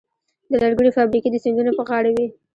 د لرګیو فابریکې د سیندونو په غاړه وې.